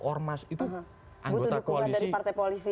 ormas itu anggota koalisi